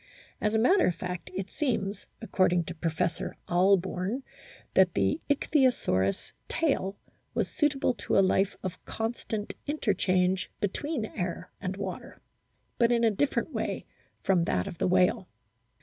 As a matter of fact it seems, according to Professor Ahlborn, that the Ichthyosaurus tail was suitable to a life of constant interchange between air and water, but in a different way from that of the whale.